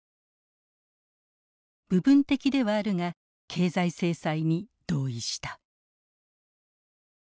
部分的ではあるが経済制裁に同意した。